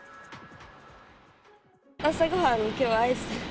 朝ごはんに、きょうアイス。